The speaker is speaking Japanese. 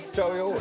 俺。